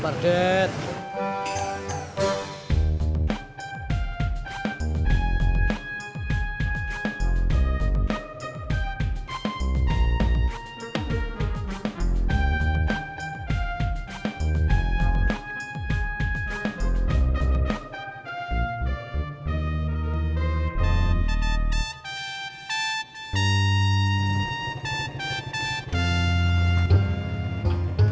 terima kasih dem hacker